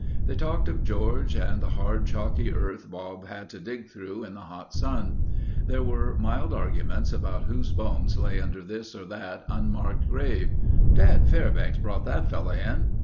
They talked of George and the hard, chalky earth Bob had to dig through in the hot sun. There were mild arguments about whose bones lay under this or that unmarked grave. "Dad Fairbanks brought that fellow in...."